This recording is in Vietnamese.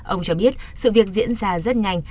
ông cho biết sự việc diễn ra rất nhanh